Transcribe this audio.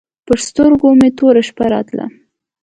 پر سترګو مې توره شپه راتله.